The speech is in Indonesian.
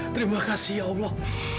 terima kasih ya allah